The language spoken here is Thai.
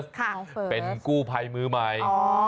ค่ะเฟิร์สค่ะเป็นกู้ภัยมือใหม่